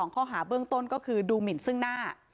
ข้อหาเบื้องต้นก็คือดูหมินซึ่งหน้า